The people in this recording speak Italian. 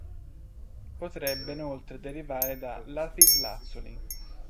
Potrebbe inoltre derivare da "lapislazzuli".